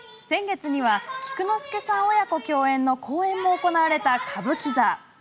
先月には菊之助さん親子共演の公演も行われた歌舞伎座。